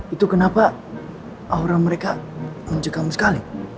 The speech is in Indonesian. itu kenapa aura mereka ngomongin kamu sekali